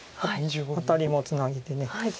アタリもツナギで。